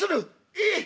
「ええ。